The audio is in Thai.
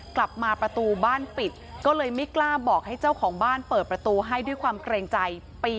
กลับมาประตูบ้านปิดก็เลยไม่กล้าบอกให้เจ้าของบ้านเปิดประตูให้ด้วยความเกรงใจปี